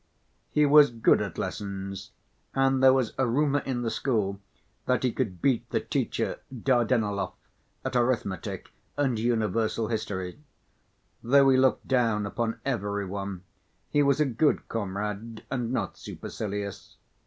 He was good at lessons, and there was a rumor in the school that he could beat the teacher, Dardanelov, at arithmetic and universal history. Though he looked down upon every one, he was a good comrade and not supercilious.